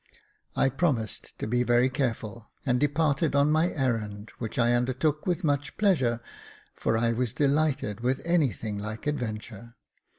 I promised to be very careful, and departed on my errand, which I undertook with much pleasure, for I was delighted with anything like adventure.